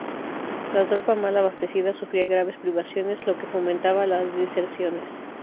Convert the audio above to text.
La tropa, mal abastecida, sufría graves privaciones, lo que fomentaba las deserciones.